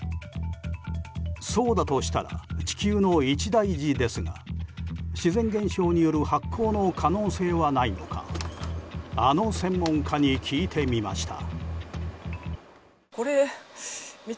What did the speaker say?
そうだとしたら地球の一大事ですが自然現象による発光の可能性はないのかあの専門家に聞いてみました。